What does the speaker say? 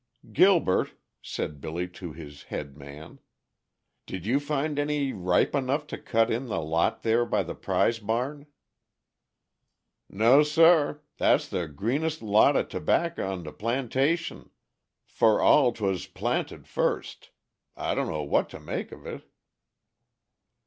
"Gilbert," said Billy to his "head man," "did you find any ripe enough to cut in the lot there by the prize barn?" "No sah; dat's de greenest lot of tobawkah on de plantation, for all 'twas plaunted fust. I dunno what to make uv it."